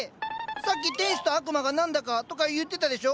さっき「天使」と「悪魔」が何だかとか言ってたでしょ？